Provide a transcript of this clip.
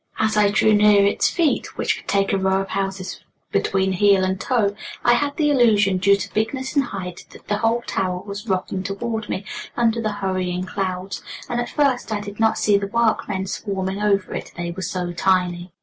As I drew near its feet (which could take a row of houses between heel and toe) I had the illusion, due to bigness and height, that the whole tower was rocking toward me under the hurrying clouds; and at first I did not see the workmen swarming over it, they were so tiny.